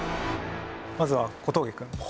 まずは小峠くん。